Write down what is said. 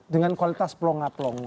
dengan kualitas pelonga pelonga